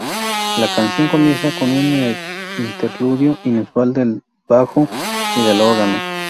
La canción comienza con un interludio inusual del bajo y del órgano.